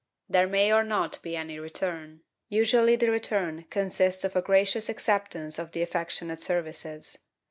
There may or not be any return; usually the return consists of a gracious acceptance of the affectionate services.